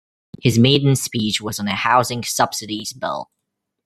His maiden speech was on a housing subsidies bill.